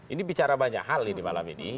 ini bicara banyak hal ini malam ini